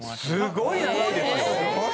すごい長いですよ。